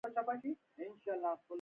موټروان باید د لارې خنډونو ته پام وکړي.